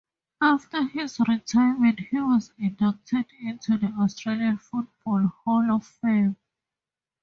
After his retirement he was inducted into the Australian Football Hall of Fame.